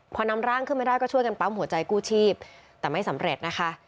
พอนำร่างขึ้นมาได้ก็ช่วยกันปั๊มหัวใจกู้ชีพแต่ไม่สำเร็จนะคะ